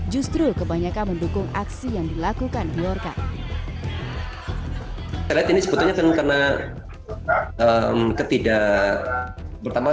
justru kebanyakan mendukung aksi yang dilakukan biarca ini sebetulnya karena ketidak pertama